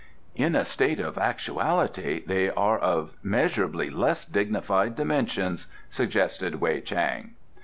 "In a state of actuality, they are of measurably less dignified dimensions," suggested Wei Chang.